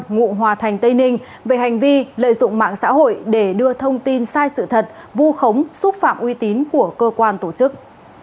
ngụ hòa thành tây ninh về hành vi lợi dụng mạng xã hội để đưa thông tin sai sự thật vu khống xúc phạm uy tín của cơ quan tổ chức